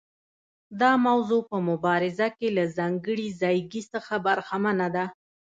دا موضوع په مبارزه کې له ځانګړي ځایګي څخه برخمنه ده.